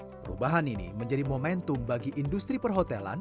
perubahan ini menjadi momentum bagi industri perhotelan